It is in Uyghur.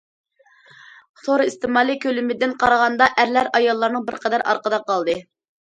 تور ئىستېمالى كۆلىمىدىن قارىغاندا، ئەرلەر ئاياللارنىڭ بىر قەدەر ئارقىدا قالدى.